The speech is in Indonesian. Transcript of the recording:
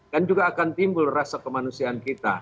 kan juga akan timbul rasa kemanusiaan kita